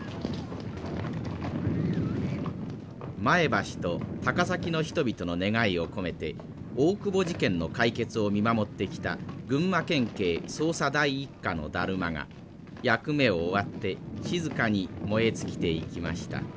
前橋と高崎の人々の願いを込めて大久保事件の解決を見守ってきた群馬県警捜査第一課のだるまが役目を終わって静かに燃え尽きていきました。